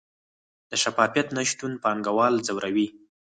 د شفافیت نشتون پانګوال ځوروي؟